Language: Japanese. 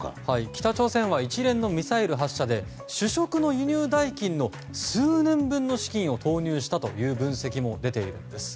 北朝鮮は一連のミサイル発射で主食の輸入代金の数年分の資金を投入したという分析も出ているんです。